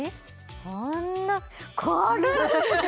そんな軽い！